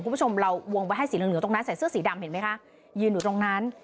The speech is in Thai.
คุณผู้ชมเราวงไว้ให้สีเหลืองเหลืองตรงนั้นใส่เสื้อสีดำเห็นไหมคะยืนอยู่ตรงนั้น